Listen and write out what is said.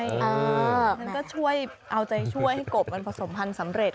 งั้นก็ช่วยเอาใจช่วยให้กบมันผสมพันธ์สำเร็จ